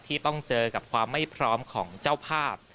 ที่ต้องเจอกับความไม่พร้อมของเจ้าภาพ